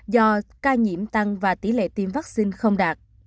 do ca nhiễm tăng và tỷ lệ tiêm vaccine không đạt